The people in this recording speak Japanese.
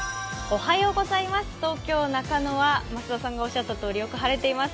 東京・中野は増田さんがおっしゃったとおりよく晴れています。